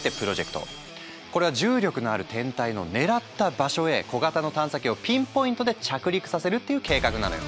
これは重力のある天体の狙った場所へ小型の探査機をピンポイントで着陸させるっていう計画なのよ。